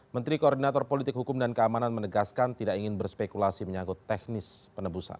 menteri koordinator politik hukum dan keamanan menegaskan tidak ingin berspekulasi menyangkut teknis penebusan